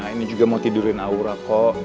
ini juga mau tidurin aura kok